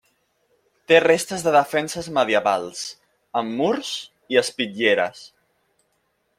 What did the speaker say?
Té restes de defenses medievals, amb murs i espitlleres.